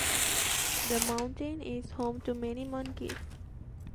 The mountain is home to many monkeys.